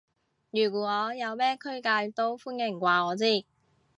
如果有咩推介都歡迎話我知